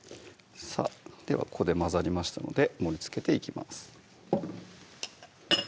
さぁでは混ざりましたので盛りつけていきます